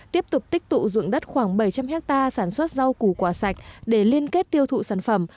tiếp tục tích tụ dụng đất khoảng bảy trăm linh hectare sản xuất rau củ quả sạch để liên kết tiêu thụ sản phẩm